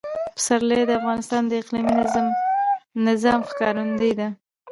پسرلی د افغانستان د اقلیمي نظام ښکارندوی ده.